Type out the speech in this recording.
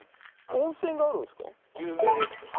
温泉があるんですか？